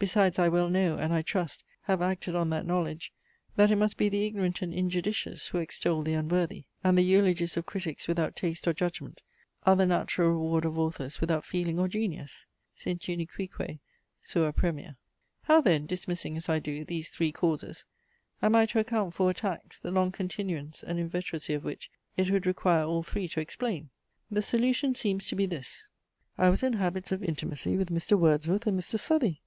Besides I well know, and, I trust, have acted on that knowledge, that it must be the ignorant and injudicious who extol the unworthy; and the eulogies of critics without taste or judgment are the natural reward of authors without feeling or genius. Sint unicuique sua praemia. How then, dismissing, as I do, these three causes, am I to account for attacks, the long continuance and inveteracy of which it would require all three to explain? The solution seems to be this, I was in habits of intimacy with Mr. Wordsworth and Mr. Southey!